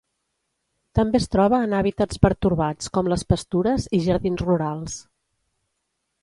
També es troba en hàbitats pertorbats com les pastures i jardins rurals.